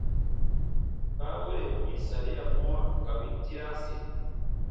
Baawere u win saria mɔwa ka win tirasi.